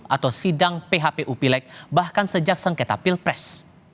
atau sidang phpu pileg bahkan sejak sengketa pilpres